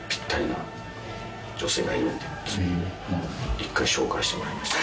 一回紹介してもらいました。